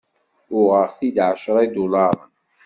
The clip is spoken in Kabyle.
Uɣeɣ-t-id εecra idularen.